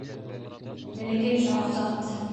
Бәләкәй шаһзат